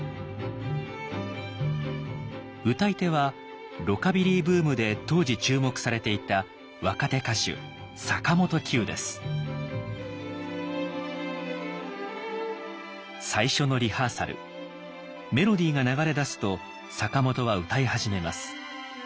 歌い手はロカビリーブームで当時注目されていた若手歌手最初のリハーサルメロディーが流れ出すと坂本は歌い始めます。